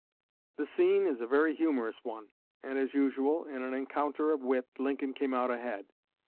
The scene is a very humorous one; and, as usual in an encounter of wit, Lincoln came out ahead.